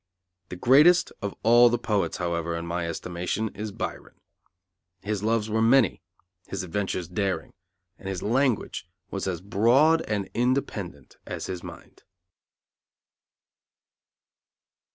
The greatest of all the poets, however, in my estimation, is Byron. His loves were many, his adventures daring, and his language was as broad and independent as his mind.